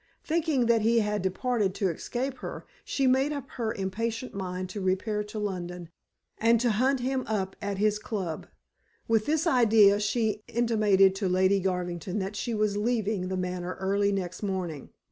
Thinking that he had departed to escape her, she made up her impatient mind to repair to London, and to hunt him up at his club. With this idea she intimated to Lady Garvington that she was leaving The Manor early next morning.